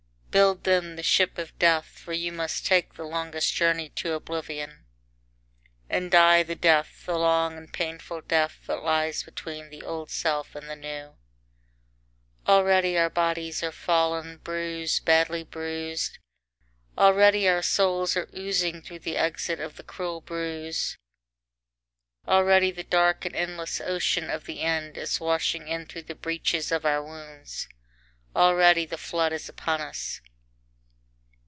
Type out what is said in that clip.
V Build then the ship of death, for you must take the longest journey, to oblivion. And die the death, the long and painful death that lies between the old self and the new. Already our bodies are fallen, bruised, badly bruised, already our souls are oozing through the exit of the cruel bruise. Already the dark and endless ocean of the end is washing in through the breaches of our wounds, Already the flood is upon us.